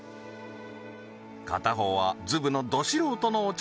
片方はずぶのど素人のお茶